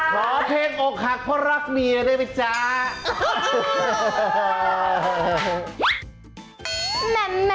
ขอเพลงอกหักเพราะรักเมียได้ไหมจ๊ะ